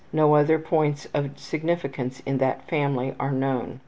No other points of significance in that family are known.